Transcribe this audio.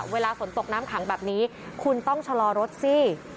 เวลาฝนตกน้ำขังแบบนี้คุณต้องชะลอรถสิ